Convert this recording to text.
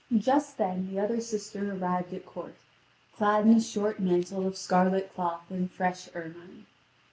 (Vv. 4737 4758.) Just then the other sister arrived at court, clad in a short mantle of scarlet cloth and fresh ermine.